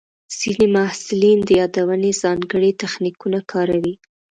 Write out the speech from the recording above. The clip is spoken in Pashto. ځینې محصلین د یادونې ځانګړي تخنیکونه کاروي.